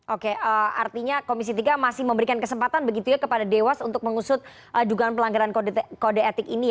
oke artinya komisi tiga masih memberikan kesempatan begitu ya kepada dewas untuk mengusut dugaan pelanggaran kode etik ini